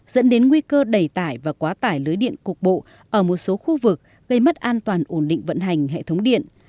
dẫn đến nguy cơ đầy tải và quá tải lưới điện cục bộ ở một số khu vực gây mất an toàn ổn định vận hành hệ thống điện